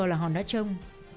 là hòn đá trông